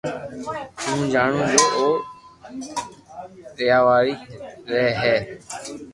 ھون جڻي جو او رييايوڙي رھي ھيي